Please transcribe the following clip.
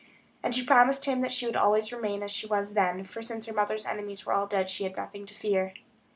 And she promised him that she would always remain as she was then, for since her mother's enemies were all dead she had nothing to fear.